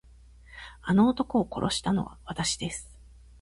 あの男を殺したのはわたしです。